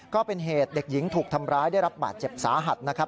ก็เป็นเหตุเด็กหญิงถูกทำร้ายได้รับบาดเจ็บสาหัสนะครับ